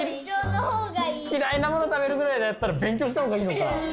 嫌いなもの食べるぐらいだったら勉強したほうがいいのか。